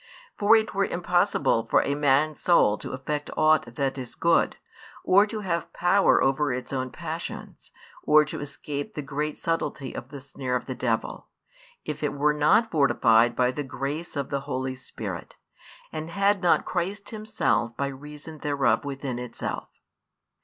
For it were impossible for a man's soul to effect ought that is good, or to have power over its own passions, or to escape the great subtilty of the snare of the devil, if it were not fortified by the grace of the Holy Spirit, and had not Christ Himself by reason thereof within itself.